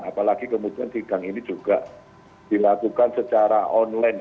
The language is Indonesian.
apalagi kemudian sidang ini juga dilakukan secara online